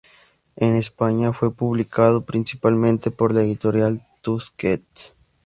En España fue publicado principalmente por la editorial Tusquets.